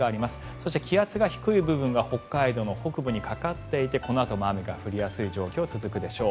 そして気圧が低い部分が北海道の北部にかかっていてこのあとも雨が降りやすい状況続くでしょう。